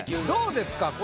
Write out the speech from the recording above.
どうですか？